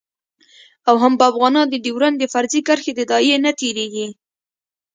او هم به افغانان د ډیورند د فرضي کرښې د داعیې نه تیریږي